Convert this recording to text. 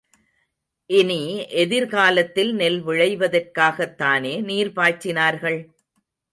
இனி எதிர் காலத்தில் நெல் விளைவதற்காகத்தானே நீர் பாய்ச்சினார்கள்?